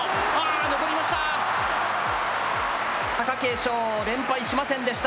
残りました。